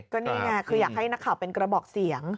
ก็นี่ไงคืออยากให้นักข่าวเป็นกระบอกเสียง